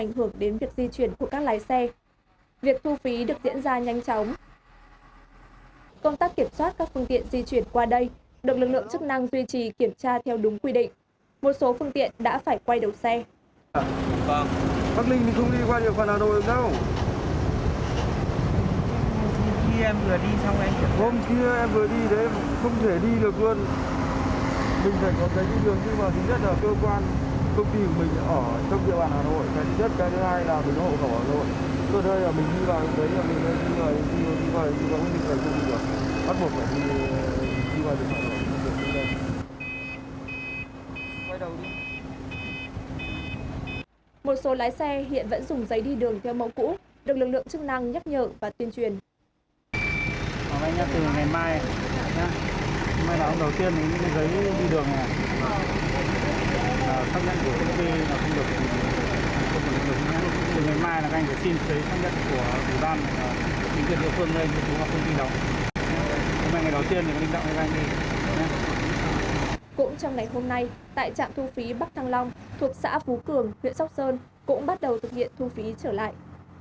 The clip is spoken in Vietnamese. ngày hôm nay tại trạm thu phí bắc thăng long thuộc xã phú cường huyện sóc sơn cũng bắt đầu thực hiện thu phí trở lại